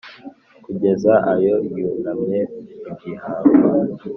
kugeza aho yunamye mu gihingwa;